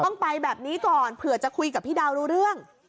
ต้องไปแบบนี้ก่อนเผื่อจะคุยกับพี่ดาวรู้เรื่อง